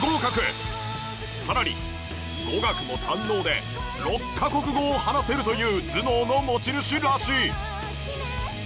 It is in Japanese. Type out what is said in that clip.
さらに語学も堪能で６カ国語を話せるという頭脳の持ち主らしい